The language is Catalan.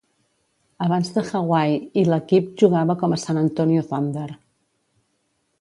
Abans de Hawai'i, l"equip jugava com a Sant Antonio Thunder.